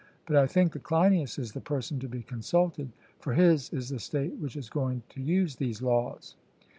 But I think that Cleinias is the person to be consulted, for his is the state which is going to use these laws.